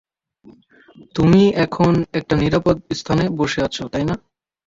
তুমি এখন একটা নিরাপদ স্থানে বসে আছো, তাই না?